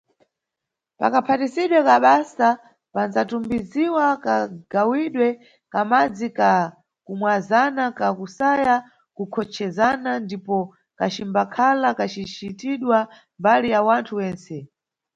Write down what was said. Pakaphatidwe ka basa, pandzatumbiziwa kagawidwe ka madzi ka kumwazana, ka kusaya kukonchezana ndipo kacimbakhala kacicitiwa mbali na wanthu wentse.